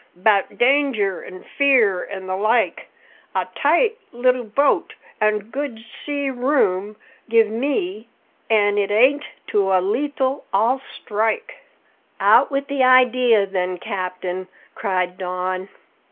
'Bout danger, an' fear, an' the like; A tight leetle boat an' good sea room give me, An' it ain't to a leetle I'll strike!" "Out with the idea then, captain!" cried Don.